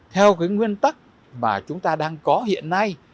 theo cái nguyên tắc mà chúng ta đang có hiện nay